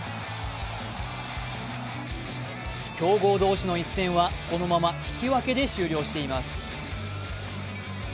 強豪同士の一戦は、このまま引き分けで終了しています。